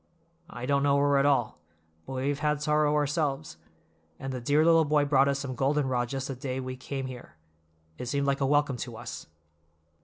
I don't know her at all, but we have had sorrow ourselves; and the dear little boy brought us some golden rod just the day we came here—it seemed like a welcome to us."